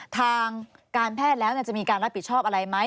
ทางการแพทย์แล้วจะมีการรับผิดชอบอะไรไหม